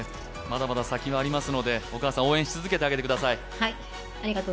まだまだ先はありますのでお母さん応援し続けてください。